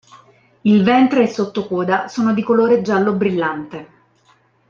Il ventre e sotto coda sono di colore giallo brillante.